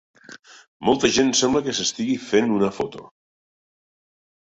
Molta gent sembla que s'estigui fent una foto.